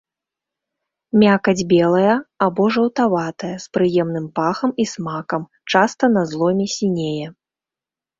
Мякаць белая або жаўтаватая з прыемным пахам і смакам, часта на зломе сінее.